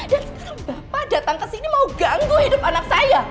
dan sekarang bapak datang kesini mau ganggu hidup anak saya